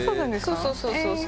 そうそうそうそう。